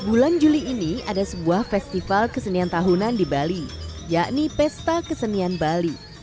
bulan juli ini ada sebuah festival kesenian tahunan di bali yakni pesta kesenian bali